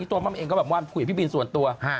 ตัวม่ำเองก็แบบว่าพี่บินส่วนตัว